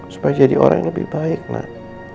supaya jadi orang yang lebih baik nak